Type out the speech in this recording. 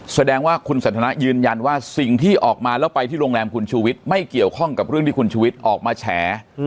แสดงว่าคุณสันทนายืนยันว่าสิ่งที่ออกมาแล้วไปที่โรงแรมคุณชูวิทย์ไม่เกี่ยวข้องกับเรื่องที่คุณชุวิตออกมาแฉ